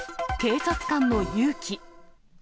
警察官の勇気。